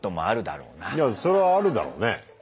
いやそれはあるだろうね。